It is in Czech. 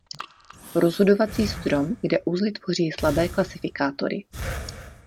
Rozhodovací strom, kde uzly tvoří slabé klasifikátory.